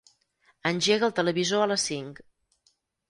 Engega el televisor a les cinc.